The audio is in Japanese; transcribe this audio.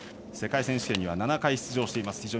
世界選手権には７回出場しています。